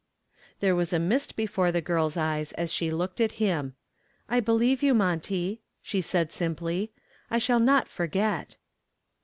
There was a mist before the girl's eyes as she looked at him. "I believe you, Monty," she said simply; "I shall not forget."